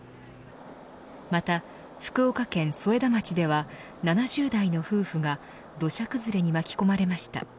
また、福岡県添田町では７０代の夫婦が土砂崩れに巻き込まれました。